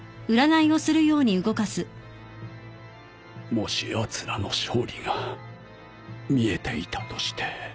もしやつらの勝利が見えていたとして。